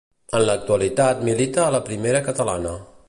En l'actualitat milita a la Primera Catalana.